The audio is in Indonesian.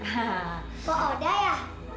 kok ada ya